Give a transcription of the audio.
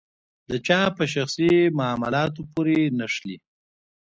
د چا په شخصي معاملاتو پورې نښلي.